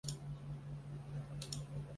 克劳德在田纳西乡下长大。